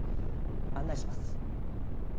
案内します